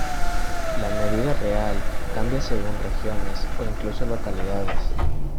La medida real cambia según regiones o incluso localidades.